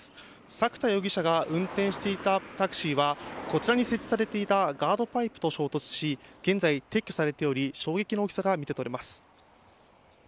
作田容疑者が運転していたタクシーはこちらに設置されていたガードパイプと接触し現在は撤去されており衝撃の大きさが見て取れます。